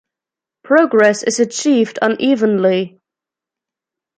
Progress is achieved unevenly.